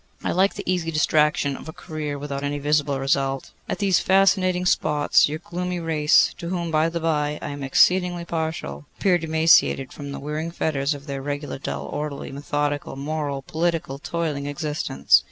I like the easy distraction of a career without any visible result. At these fascinating spots your gloomy race, to whom, by the bye, I am exceedingly partial, appear emancipated from the wearing fetters of their regular, dull, orderly, methodical, moral, political, toiling existence.